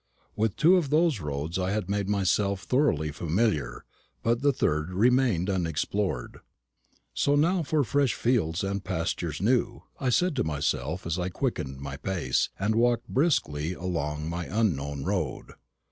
With two of those roads I had made myself thoroughly familiar; but the third remained to be explored. "So now for 'fresh fields and pastures new,'" I said to myself as I quickened my pace, and walked briskly along my unknown road.